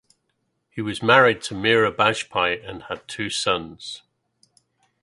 He was married to Meera Bajpai and had two sons.